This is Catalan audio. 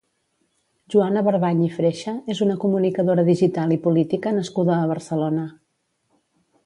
Joana Barbany i Freixa és una comunicadora digital i política nascuda a Barcelona.